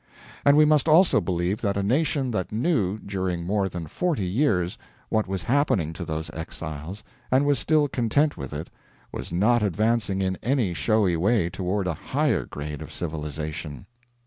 And we must also believe that a nation that knew, during more than forty years, what was happening to those exiles and was still content with it, was not advancing in any showy way toward a higher grade of civilization.